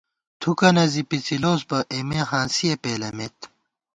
تھُکَنہ زِی پِڅِلوس بہ، اېمےہانسِیَہ پېلِمېت